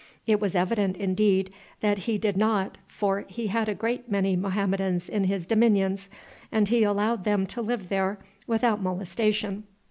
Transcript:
It was evident, indeed, that he did not, for he had a great many Mohammedans in his dominions, and he allowed them to live there without molestation.